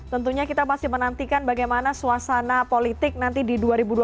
tentunya kita masih menantikan bagaimana suasana politik nanti di dua ribu dua puluh